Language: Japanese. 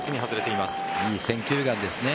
いい選球眼ですね。